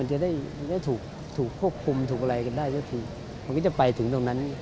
จะได้ถูกควบคุมถูกอะไรกันได้จะไปถึงตรงนั้น